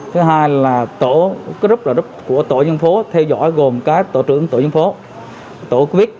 thứ hai là group của tổ dân phố theo dõi gồm tổ trưởng tổ dân phố tổ covid